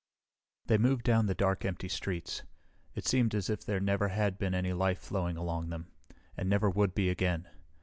They moved down the dark, empty streets. It seemed as if there never had been any life flowing along them, and never would be again.